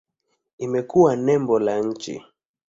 Imekuwa nembo la nchi.